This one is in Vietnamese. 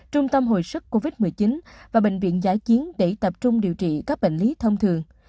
trung tâm hồi sức covid một mươi chín và bệnh viện giã chiến để tập trung điều trị các bệnh lý thông thường